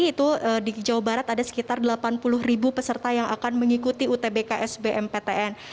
itu di jawa barat ada sekitar delapan puluh ribu peserta yang akan mengikuti utbk sbmptn